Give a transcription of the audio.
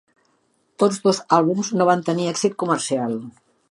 Tots dos àlbums no van tenir èxit comercial.